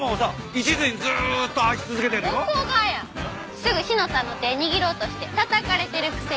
すぐ志乃さんの手握ろうとしてたたかれてるくせに。